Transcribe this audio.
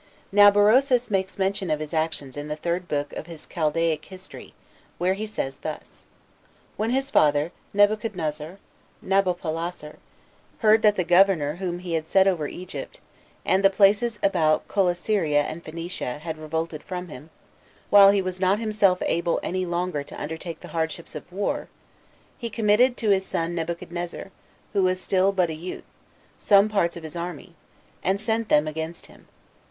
Now Berosus makes mention of his actions in the third book of his Chaldaic History, where he says thus: "When his father Nebuchodonosor [Nabopollassar] heard that the governor whom he had set over Egypt, and the places about Coelesyria and Phoenicia, had revolted from him, while he was not himself able any longer to undergo the hardships [of war], he committed to his son Nebuchadnezzar, who was still but a youth, some parts of his army, and sent them against him.